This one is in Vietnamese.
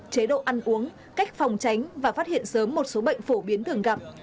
chế độ ăn uống cách phòng tránh và phát hiện sớm một số bệnh phổ biến thường gặp